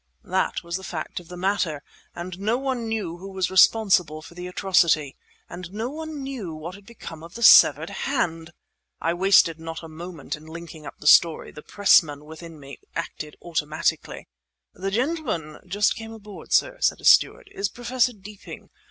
That was the fact of the matter. And no one knew who was responsible for the atrocity. And no one knew what had become of the severed hand! I wasted not a moment in linking up the story. The pressman within me acted automatically. "The gentleman just come aboard, sir," said a steward, "is Professor Deeping.